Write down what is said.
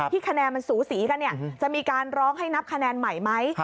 คะแนนมันสูสีกันจะมีการร้องให้นับคะแนนใหม่ไหม